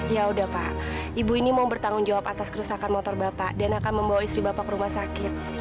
ya udah pak ibu ini mau bertanggung jawab atas kerusakan motor bapak dan akan membawa istri bapak ke rumah sakit